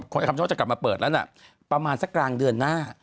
คำชโนธจะกลับมาเปิดแล้วนะประมาณสักกลางเดือนหน้า